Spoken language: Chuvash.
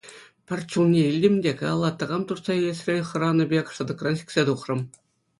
Пӗр чулне илтӗм те каялла такам туртса илесрен хӑранӑ пек шӑтӑкран сиксе тухрӑм.